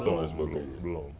belum belum belum